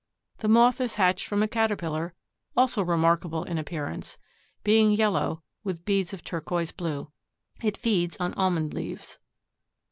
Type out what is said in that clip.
The Moth is hatched from a Caterpillar also remarkable in appearance, being yellow with beads of turquoise blue. It feeds on almond leaves.